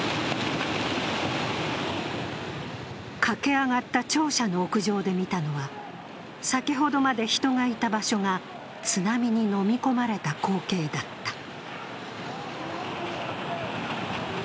駆け上がった庁舎の屋上で見たのは先ほどまで人がいた場所が津波にのみ込まれた光景だった。